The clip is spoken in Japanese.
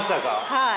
はい。